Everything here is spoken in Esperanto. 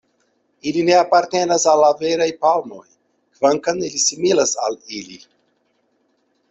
Ili ne apartenas al la veraj palmoj, kvankam ili similas al ili.